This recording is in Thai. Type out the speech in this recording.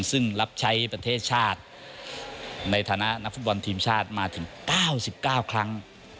ซึ่งรับใช้ประเทศชาติในฐานะนักฟุตบอลทีมชาติมาถึง๙๙ครั้ง